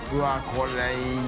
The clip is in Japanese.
これいいな。